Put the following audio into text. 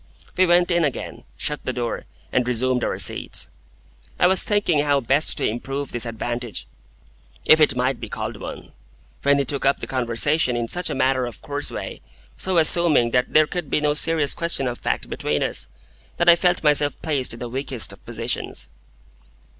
We went in again, shut the door, and resumed our seats. I was thinking how best to improve this advantage, if it might be called one, when he took up the conversation in such a matter of course way, so assuming that there could be no serious question of fact between us, that I felt myself placed in the weakest of positions.